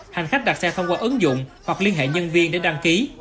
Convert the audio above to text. hành khách đặt xe tham quan ứng dụng hoặc liên hệ nhân viên để đăng ký